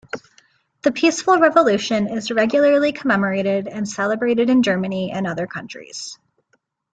The peaceful revolution is regularly commemorated and celebrated in Germany and other countries.